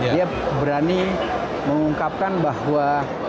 dia berani mengungkapkan bahwa